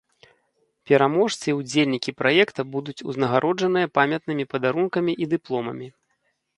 Пераможцы і ўдзельнікі праекта будуць узнагароджаныя памятнымі падарункамі і дыпломамі.